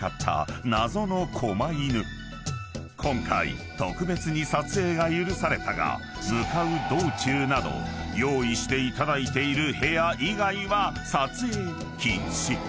［今回特別に撮影が許されたが向かう道中など用意していただいている］